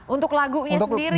untuk lagunya sendiri nih